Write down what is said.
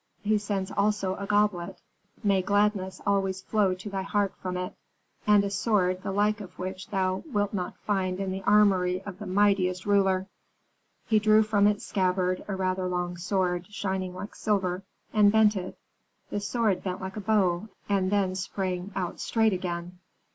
He sends also a goblet, may gladness always flow to thy heart from it! and a sword the like of which thou wilt not find in the armory of the mightiest ruler." He drew from its scabbard a rather long sword, shining like silver, and bent it. The sword bent like a bow, and then sprang out straight again.